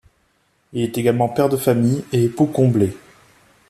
Il est également père de famille et époux comblé.